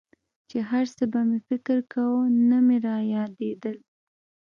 چې هرڅه به مې فکر کاوه نه مې رايادېدل.